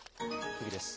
次です。